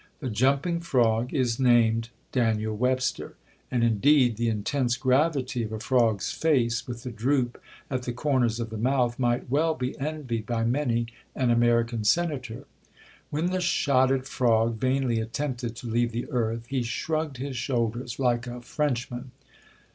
The jumping frog is named Daniel Webster; and, indeed, the intense gravity of a frog's face, with the droop at the corners of the mouth, might well be envied by many an American Senator. When the shotted frog vainly attempted to leave the earth, he shrugged his shoulders "like a Frenchman."